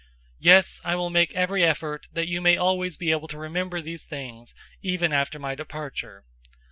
001:015 Yes, I will make every effort that you may always be able to remember these things even after my departure.